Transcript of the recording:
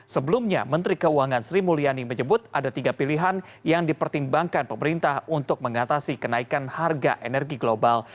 sebelumnya menteri keuangan sri mulyani menyebut ada tiga pilihan yang dipertimbangkan pemerintah untuk mengatasi kenaikan harga energi global